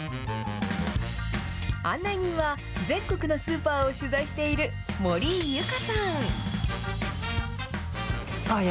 案内人は、全国のスーパーを取材している森井ユカさん。